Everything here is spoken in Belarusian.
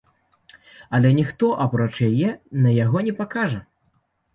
Але ніхто, апроч яе, на яго не пакажа.